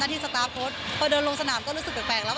หน้าที่สตาฟโครตพอเดินลงสนามก็รู้สึกแปลกแปลกแล้ว